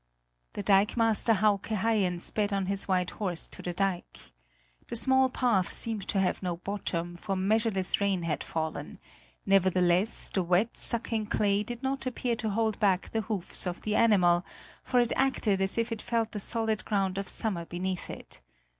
The dikemaster Hauke Haien sped on his white horse to the dike. The small path seemed to have no bottom, for measureless rain had fallen; nevertheless, the wet, sucking clay did not appear to hold back the hoofs of the animal, for it acted as if it felt the solid ground of summer beneath it.